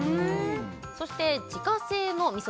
そして自家製の味噌